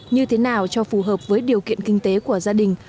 như thế nào cho phù hợp với điều kiện kinh tế của gia đình